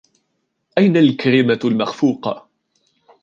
أين الكريمة المخفوقة ؟